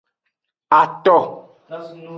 Ato.